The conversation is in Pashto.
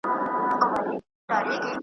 شیدې د بدن لپاره ګټورې دي.